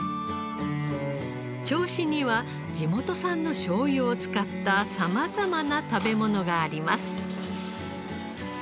銚子には地元産のしょうゆを使った様々な食べ物があります。